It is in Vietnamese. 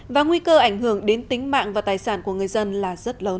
và nguy cơ ảnh hưởng đến tính mạng và tài sản của người dân là rất lớn